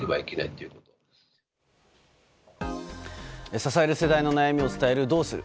支える世代の悩みを伝えるドウスル？